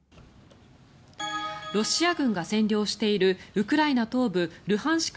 ロシア軍が占領しているウクライナ東部ルハンシク